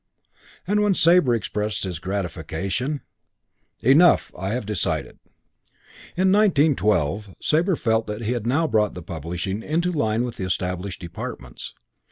And when Sabre expressed his gratification, "Enough, I have decided." In 1912 Sabre felt that he had now brought the publishing into line with the established departments.